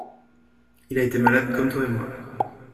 Il a été malade comme toi et moi.